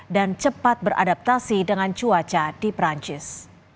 dan cepat beradaptasi dengan cuaca di prancis